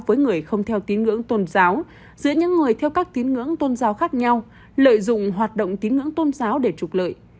với người không theo tín ngưỡng tôn giáo giữa những người theo các tín ngưỡng tôn giáo khác nhau lợi dụng hoạt động tín ngưỡng tôn giáo để trục lợi